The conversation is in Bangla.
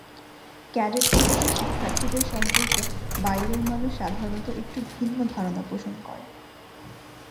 ক্যাডেট কলেজের শিক্ষার্থীদের সম্পর্কে বাইরের মানুষ সাধারণত একটু ভিন্ন ধারণা পোষণ করে।